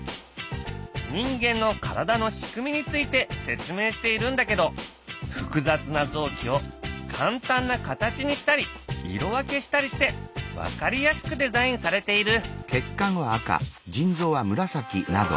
人間の体の仕組みについて説明しているんだけど複雑な臓器を簡単な形にしたり色分けしたりして分かりやすくデザインされている。